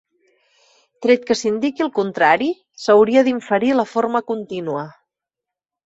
Tret que s'indiqui el contrari, s'hauria d'inferir la forma contínua.